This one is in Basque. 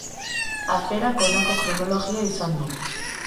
Aferak honako kronologia izan du.